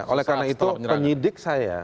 oleh karena itu penyidik saya